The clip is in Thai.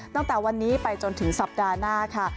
ตั้งแต่วันนี้ไปจนถึงสัปดาห์หน้าค่ะ